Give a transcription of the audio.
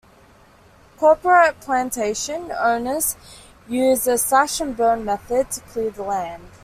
Corporate plantation owners use the slash-and-burn method to clear the land.